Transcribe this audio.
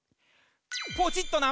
ポチっとな。